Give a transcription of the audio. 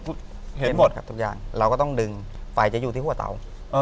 ทุกอย่างเราก็ต้องดึงไฟจะอยู่ที่หัวเตา